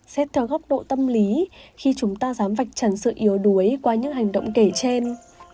xét theo góc độ tâm lý khi chúng ta dám vạch trần sự yếu đuối qua những hành động kể trên